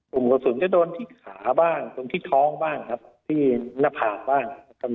กลุ่มกระสุนจะโดนที่ขาบ้างตรงที่ท้องบ้างที่หน้าผ่าบ้าง